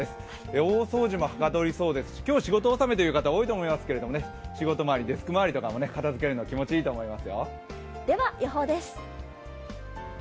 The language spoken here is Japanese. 大掃除もはかどりそうですし、今日、仕事納めという方も多いと思いますけど、仕事周りデスク周りを片づけるのも気持ちいいと思います。